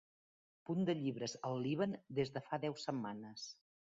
punt de llibres al Líban des de fa deu setmanes